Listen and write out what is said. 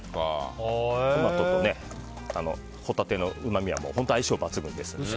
トマトとホタテのうまみは本当、相性抜群ですので。